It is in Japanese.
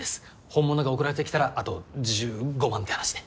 本物が送られてきたらあと１５万って話で。